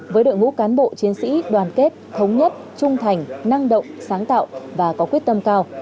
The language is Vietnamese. với đội ngũ cán bộ chiến sĩ đoàn kết thống nhất trung thành năng động sáng tạo và có quyết tâm cao